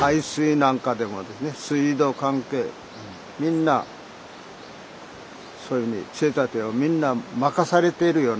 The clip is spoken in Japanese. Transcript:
みんなそういうふうに杖立をみんな任されているような状態で。